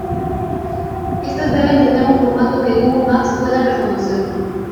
Estas deben tener un formato que Google Maps pueda reconocer.